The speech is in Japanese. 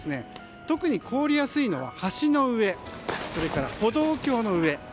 特に凍りやすいのは橋の上それから歩道橋の上